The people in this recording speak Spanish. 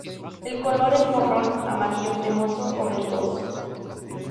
El color es marrón, amarillo cremoso o verdoso.